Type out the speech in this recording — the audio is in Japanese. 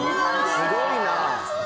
すごいな。